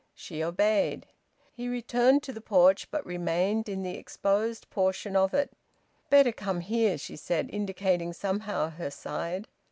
She obeyed. He returned to the porch, but remained in the exposed portion of it. "Better come here," she said, indicating somehow her side.